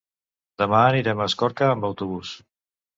Demà anirem a Escorca amb autobús.